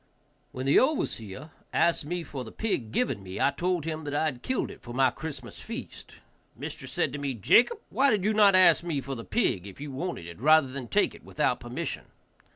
When the overseer asked me for the pig given me, I told him that I killed it for my Christmas feast. Mistress said to me, "Jacob, why did you not ask me for the pig if you wanted it, rather than take it without permission?"